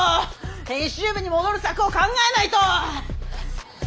編集部に戻る策を考えないと！